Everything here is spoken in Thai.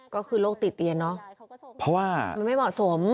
ก็คือโรคติดเตียนเนอะเพราะว่ามันไม่เหมาะสม